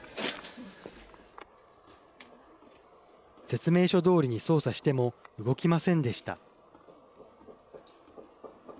説明書どおりに操作しても動きませんでした。